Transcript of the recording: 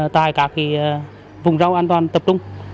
tại các cái vùng rau an toàn tập trung